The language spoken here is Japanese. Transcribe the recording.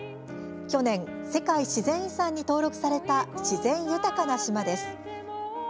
去年、世界自然遺産に登録された自然豊かな島です。